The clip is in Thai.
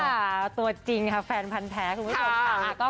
อ่าตัวจริงค่ะแฟนพันธุ์แท้คุณวิทยาลักษณ์ค่ะ